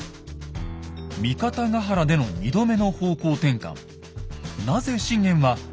三方ヶ原での２度目の方向転換。